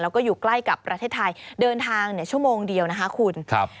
แล้วก็อยู่ใกล้กับประเทศไทยเดินทางชั่วโมงเดียวนะคะคุณครับ